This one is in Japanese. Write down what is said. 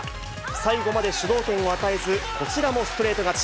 最後まで主導権を与えず、こちらもストレート勝ち。